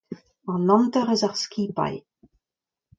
An hanter eus ar skipailh.